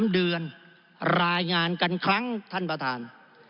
๓เดือนรายงานกันครั้งท่านประธาน